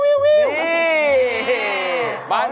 ถ้าเป็นปากถ้าเป็นปาก